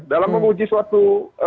dalam memuji suatu